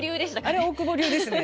あれ大久保流ですね。